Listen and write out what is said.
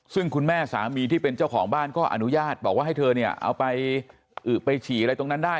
ซึ่งคุณแม่สามีที่เป็นเจ้าของบ้านก็อนุญาตบอกว่าให้เธอเนี่ยเอาไปอึไปฉี่อะไรตรงนั้นได้